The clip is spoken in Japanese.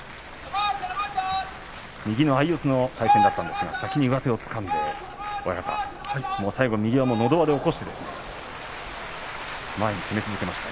右の相四つの対戦だったんですが先に上手をつかんで親方、最後、右をのど輪で起こして前に攻め続けました。